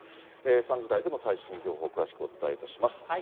３時台でも最新情報を詳しくお伝えいたします。